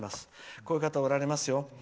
こういう方がおられますよ。